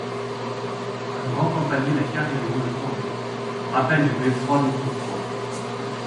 Un grand campanile à carillon le surmonte, rappel du beffroi d'autrefois.